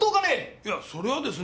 いやそれはですね。